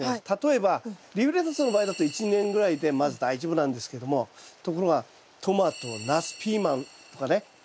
例えばリーフレタスの場合だと１年ぐらいでまず大丈夫なんですけどもところがトマトナスピーマンとかね